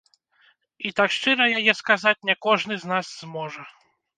І так шчыра яе сказаць не кожны з нас зможа.